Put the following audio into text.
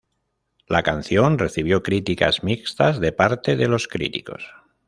La canción recibió críticas mixtas de parte de los críticos.